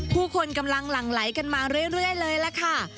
ผู้คนกำลังหลั่งไหลกันมาเรื่อยเลยล่ะค่ะ